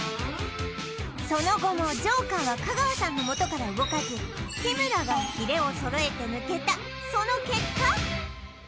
その後もＪＯＫＥＲは香川さんのもとから動かず日村がヒレを揃えて抜けたその結果